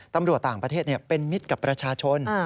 ตำรวจต่างประเทศเป็นมิตรกับประชาชน